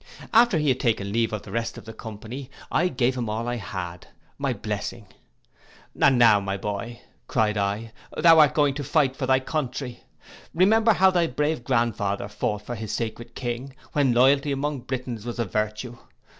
After he had taken leave of the rest of the company, I gave him all I had, my blessing. 'And now, my boy,' cried I, 'thou art going to fight for thy country, remember how thy brave grandfather fought for his sacred king, when loyalty among Britons was a virtue.